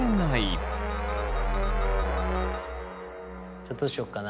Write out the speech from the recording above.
じゃあどうしよっかな。